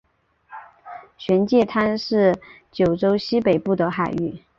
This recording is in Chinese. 玄界滩是九州西北部的海域。